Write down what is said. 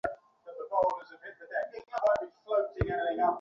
June মাস থেকে বধ্যভূমিতে প্রতিদিন বাঙালিদের এনে নৃশংস কায়দায় হত্যা করা হতো।